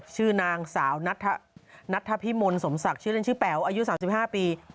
ชื่อนางสาวนัทธพิมลสมศักดิ์ชื่อเล่นชื่อแป๋วอายุ๓๕ปี